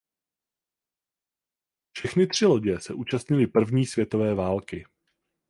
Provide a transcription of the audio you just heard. Všechny tři lodě se účastnily první světové války.